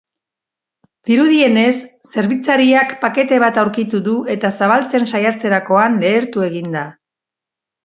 Dirudienez, zerbitzariak pakete bat aurkitu du eta zabaltzen saiatzerakoan lehertu egin da.